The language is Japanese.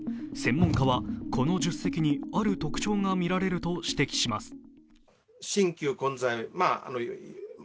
専門家は、この１０隻にある特徴がみられると指摘します。